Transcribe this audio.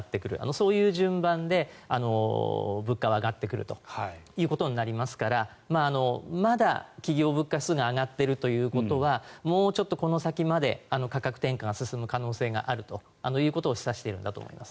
そういう順番で物価は上がってくるということになりますからまだ企業物価指数が上がっているということはもうちょっとこの先まで価格転嫁が進む可能性があるということを示唆しているんだと思います。